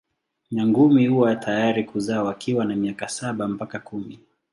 Nyangumi huwa tayari kuzaa wakiwa na miaka saba mpaka kumi.